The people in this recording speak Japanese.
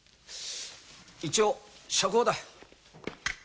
一応釈放だ。